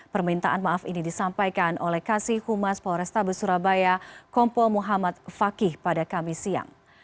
permintaan maaf ini disampaikan oleh kasih humas polrestabes surabaya kompol muhammad fakih pada kamis siang